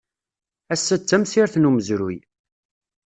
Ass-a d tamsirt n umezruy.